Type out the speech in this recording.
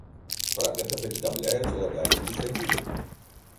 Пра гэта паведамляюць уладальнікі сядзібы.